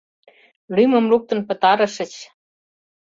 Лӱмым луктын пытарышыч.